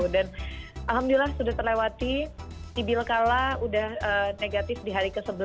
dan alhamdulillah sudah terlewati sibyl kala udah negatif di hari ke sebelas